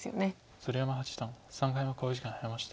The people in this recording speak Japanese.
鶴山八段３回目の考慮時間に入りました。